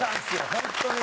本当に。